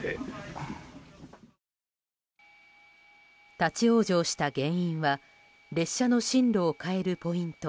立ち往生した原因は列車の進路を変えるポイント